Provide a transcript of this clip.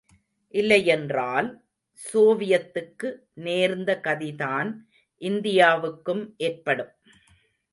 இல்லையென்றால் சோவியத்துக்கு நேர்ந்த கதிதான் இந்தியாவுக்கும் ஏற்படும்.